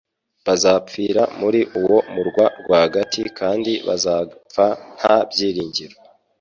bazapfira muri uwo murwa rwagati kandi bagapfa nta byiringiro.